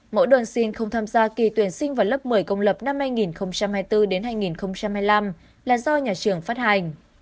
mỗi đơn xin không tham gia kỳ tuyển sinh vào lớp một mươi công lập năm hai nghìn hai mươi bốn hai nghìn hai mươi năm là do nhà trường phát hành